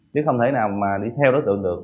chứ không thể nào mà đi theo đối tượng được